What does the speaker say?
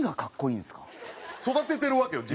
育ててるわけよ